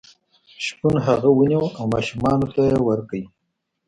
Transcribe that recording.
شپون هغه ونیو او ماشومانو ته یې ورکړ.